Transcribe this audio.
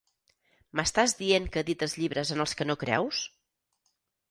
M'estàs dient que edites llibres en els que no creus?